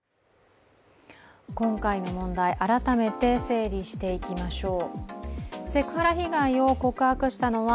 今回の問題、改めて整理していきましょう。